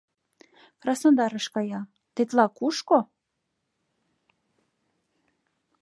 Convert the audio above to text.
— Краснодарыш кая, тетла кушко?..